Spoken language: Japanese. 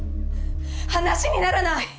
話にならない。